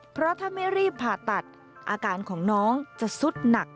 เพราะถ้าไม่รีบผ่าตัดอาการของน้องจะสุดหนัก